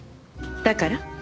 だから？